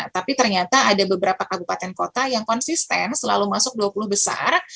tapi ternyata ada beberapa kabupaten kota yang konsisten selalu masuk dua puluh besar